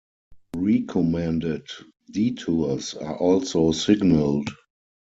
Recommended detours are also signaled.